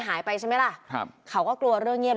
ห้ามกันครับผม